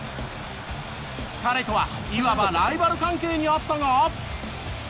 彼とはいわばライバル関係にあったが。